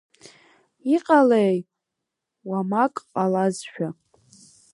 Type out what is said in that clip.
Иҟалеи, уамак ҟалазшәа?!